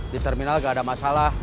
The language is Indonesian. di terminal gak ada masalah